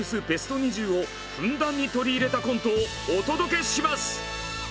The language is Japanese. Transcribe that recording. ベスト２０をふんだんに取り入れたコントをお届けします！